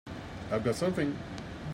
I've got something!